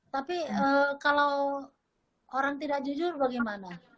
tapi kalau orang tidak jujur bagaimana